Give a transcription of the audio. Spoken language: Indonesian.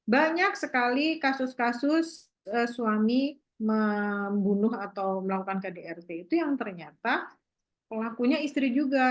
banyak sekali kasus kasus suami membunuh atau melakukan kdrt itu yang ternyata pelakunya istri juga